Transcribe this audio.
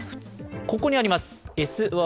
ここにあります。